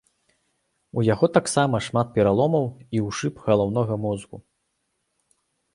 У яго таксама шмат пераломаў і ўшыб галаўнога мозгу.